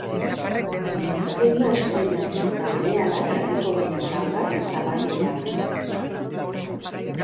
Filma estreinatu eta berehala jarriko dira salgai zapatilak.